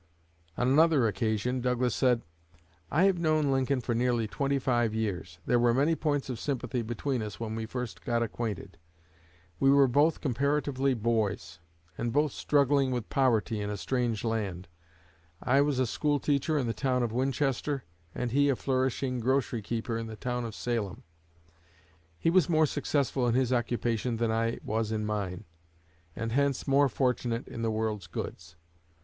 On another occasion, Douglas said: "I have known Lincoln for nearly twenty five years. There were many points of sympathy between us when we first got acquainted. We were both comparatively boys, and both struggling with poverty in a strange land. I was a school teacher in the town of Winchester, and he a flourishing grocery keeper in the town of Salem. He was more successful in his occupation than I was in mine, and hence more fortunate in the world's goods.